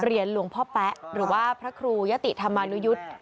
เหรียญหลวงพ่อแป๊ะหรือว่าพระครูยะติธรรมานุยุฏ